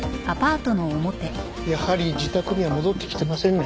やはり自宅には戻ってきてませんね。